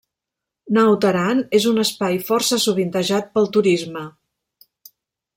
Naut Aran és un espai força sovintejat pel turisme.